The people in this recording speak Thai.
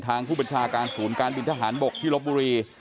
ทางผู้บัญชาการศูนย์การบินทหารบกที่ลบบุรี